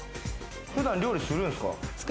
普段料理するんですか？